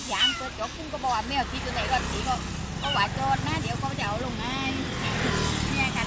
วันฝันต้อนรับมาวิธีอาทิตย์ของเวลา๑๓๐๐นครับ